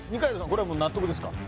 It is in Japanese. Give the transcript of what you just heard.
これはもう納得ですか